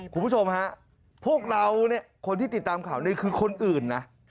คุณผู้ชมฮะพวกเราเนี่ยคนที่ติดตามข่าวนี้คือคนอื่นนะ